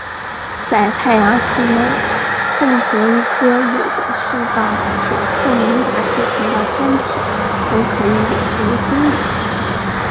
在太阳系内任何一颗有着适当且透明大气层的天体都可以有流星雨。